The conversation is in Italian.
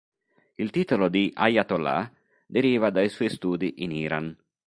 Il titolo di 'Ayatollah' deriva dai suoi studi in Iran.